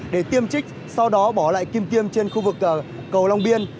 để tiêm trích sau đó bỏ lại kim tiêm trên khu vực cầu long biên